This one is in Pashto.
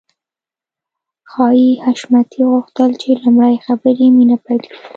ښايي حشمتي غوښتل چې لومړی خبرې مينه پيل کړي.